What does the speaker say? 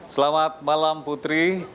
selamat malam putri